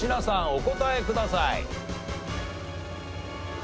お答えください。